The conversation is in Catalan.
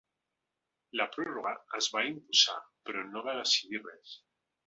La pròrroga es va imposar però no va decidir res.